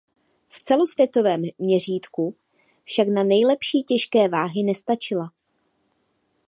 V celosvětovém měřítku však na nejlepší těžké váhy nestačila.